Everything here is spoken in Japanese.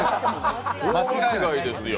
大間違いですよ。